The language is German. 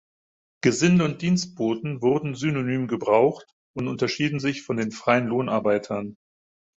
Gesinde und Dienstboten wurden synonym gebraucht und unterschieden sich von den freien Lohnarbeitern.